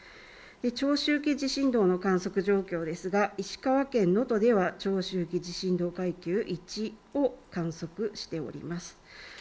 長周期地震動の観測状況ですが石川県能登では長周期地震動階級１を観測しております。